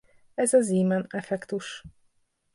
Ez a Zeeman-effektus.